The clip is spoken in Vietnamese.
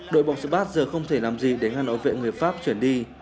đội bóng spas giờ không thể làm gì để ngăn ổ vệ người pháp chuyển đi